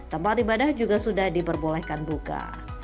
tempat ibadah juga sudah diperbolehkan buka